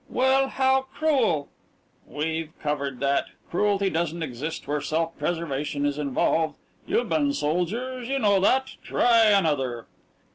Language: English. "Well how cruel " "We've covered that. Cruelty doesn't exist where self preservation is involved. You've been soldiers; you know that. Try another."